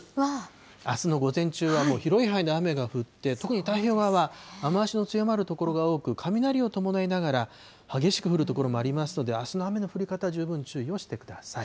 あすの午前中はもう広い範囲で雨が降って、特に太平洋側は雨足の強まる所が多く、雷を伴いながら、激しく降る所もありますので、あすの雨の降り方、十分注意をしてください。